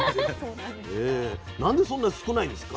なんでそんな少ないんですか？